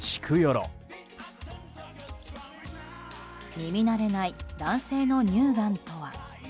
耳慣れない男性の乳がんとは。